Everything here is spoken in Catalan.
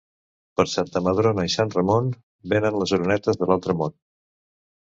Per Santa Madrona i Sant Ramon venen les orenetes de l'altre món.